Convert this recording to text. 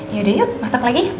ya udah yuk masak lagi